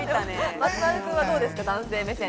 松丸君はどうですか？